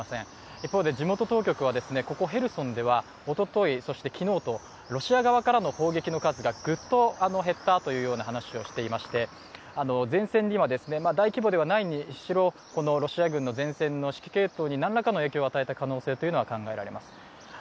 一方、地元当局はここヘルソンではおととい、そして昨日とロシア側からの攻撃の数がぐっと減ったというような話をしていまして、前線には、大規模ではないにしろロシア軍の前線の指揮系統に何らかの影響を与えた可能性が考えられます。